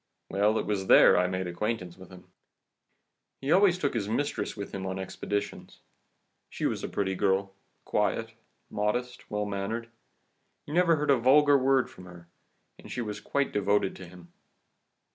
Well, it was there I made acquaintance with him. He always took his mistress with him on his expeditions. She was a pretty girl, quiet, modest, well mannered, you never heard a vulgar word from her, and she was quite devoted to him.